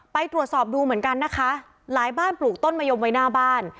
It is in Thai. ไปตรวจสอบดูเหมือนกันนะคะหลายบ้านปลูกต้นมะยมไว้หน้าบ้าน